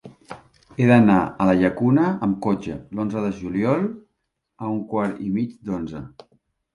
He d'anar a la Llacuna amb cotxe l'onze de juliol a un quart i mig d'onze.